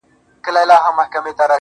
او د کلماتو ښکلا او پر ځای استعمال -